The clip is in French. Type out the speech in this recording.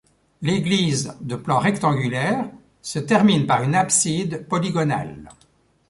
L'église, de plan rectangulaire, se termine par une abside polygonale.